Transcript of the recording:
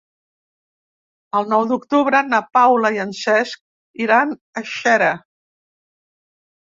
El nou d'octubre na Paula i en Cesc iran a Xera.